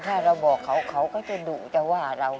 ถ้าเราบอกเขาเขาก็จะดุจะว่าเรา